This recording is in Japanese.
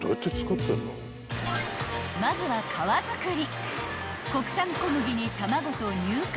［まずは皮作り］